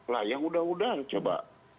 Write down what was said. lah yang udah udah coba